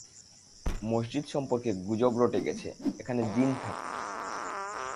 মসজিদ সম্পর্কে গুজব রটে গেছে, এখানে জিন থাকে।